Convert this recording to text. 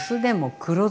黒酢。